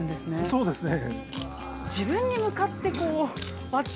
◆そうですね。